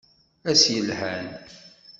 Ass yelhan!